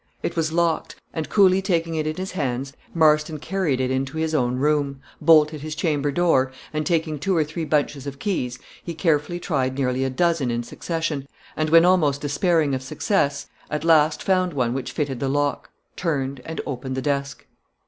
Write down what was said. It was locked; and coolly taking it in his hands, Marston carried it into his own room, bolted his chamber door, and taking two or three bunches of keys, he carefully tried nearly a dozen in succession, and when almost despairing of success, at last found one which fitted the lock, turned, and opened the desk.